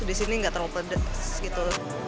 disini gak terlalu pedas gitu